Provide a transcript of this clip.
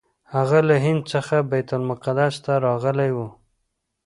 هغه له هند څخه بیت المقدس ته راغلی و.